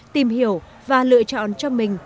tìm hiểu và lựa chọn cho mình